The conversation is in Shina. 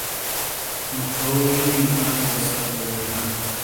مُچھو یونجینی آٹے گہ ستُو پیجینالے۔